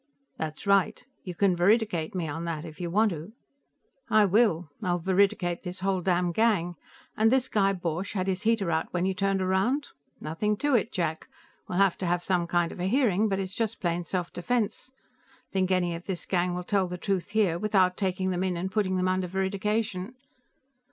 "That's right. You can veridicate me on that if you want to." "I will; I'll veridicate this whole damn gang. And this guy Borch had his heater out when you turned around? Nothing to it, Jack. We'll have to have some kind of a hearing, but it's just plain self defense. Think any of this gang will tell the truth here, without taking them in and putting them under veridication?"